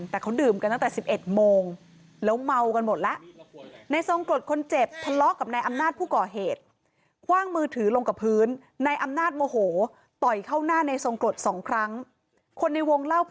แต่เขาดื่มกันตั้งแต่๑๑โมง